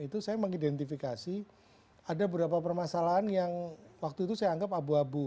itu saya mengidentifikasi ada beberapa permasalahan yang waktu itu saya anggap abu abu